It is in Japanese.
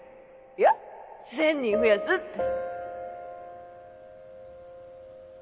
いや１０００人増やすって